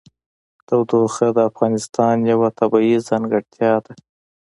تودوخه د افغانستان یوه طبیعي ځانګړتیا ده.